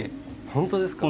本当ですか？